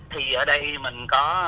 thì ở đây mình có